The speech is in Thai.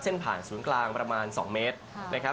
ผ่านศูนย์กลางประมาณ๒เมตรนะครับ